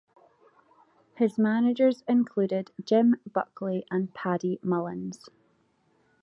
His managers included Jim Buckley and Paddy Mullins.